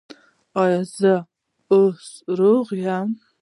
ایا زه اوس روغ یم؟